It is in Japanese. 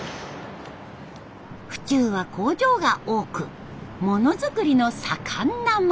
府中は工場が多くモノ作りの盛んな町。